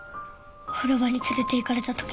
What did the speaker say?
お風呂場に連れていかれたとき。